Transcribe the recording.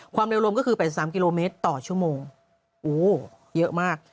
เร็วรวมก็คือ๘๓กิโลเมตรต่อชั่วโมงโอ้เยอะมาก